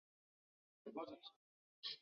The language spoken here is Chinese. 行政中心位于安纳波利斯罗亚尔。